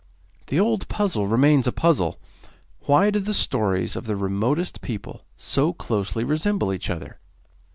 The old puzzle remains a puzzle why do the stories of the remotest people so closely resemble each other?